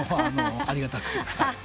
ありがたく。